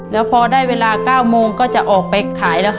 แล้วพอได้เวลา๙โมงก็จะออกไปขายแล้วค่ะ